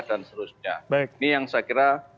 dan seterusnya ini yang saya kira